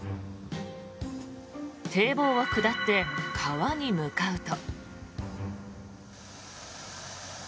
堤防を下って川に向かうと。